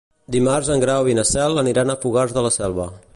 Dimarts en Grau i na Cel aniran a Fogars de la Selva.